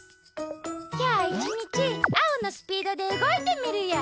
きょういちにちアオのスピードでうごいてみるよ。